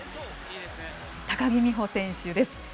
高木美帆選手です。